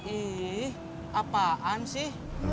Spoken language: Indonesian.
iih apaan sih